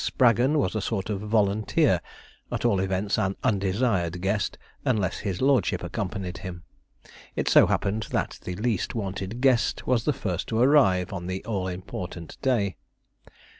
Spraggon was a sort of volunteer, at all events an undesired guest, unless his lordship accompanied him. It so happened that the least wanted guest was the first to arrive on the all important day.